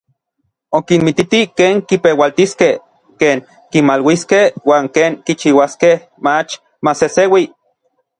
Okinmititi ken kipeualtiskej, ken kimaluiskej uan ken kichiuaskej mach maseseui.